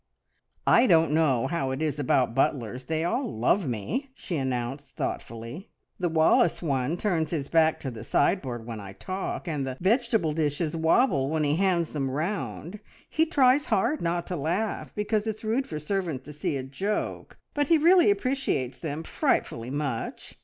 "I don't know how it is about butlers they all love me!" she announced thoughtfully. "The Wallace one turns his back to the sideboard when I talk, and the vegetable dishes wobble when he hands them round. He tries hard not to laugh, because it's rude for servants to see a joke, but he really appreciates them frightfully much.